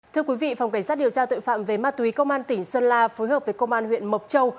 thưa quý vị phòng cảnh sát điều tra tội phạm về ma túy công an tỉnh sơn la phối hợp với công an huyện mộc châu